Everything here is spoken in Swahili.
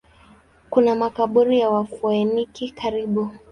Kuna makaburi ya Wafoeniki karibu.